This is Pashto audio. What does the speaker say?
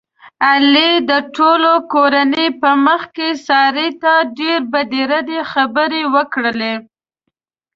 علي د ټولې کورنۍ په مخ کې سارې ته ډېرې بدې ردې خبرې وکړلې.